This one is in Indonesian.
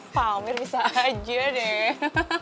pak amir bisa aja deh